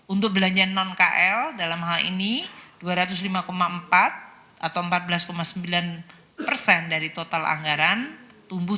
untuk belanja non kl dalam hal ini dua ratus lima empat atau empat belas sembilan persen dari total anggaran tumbuh lima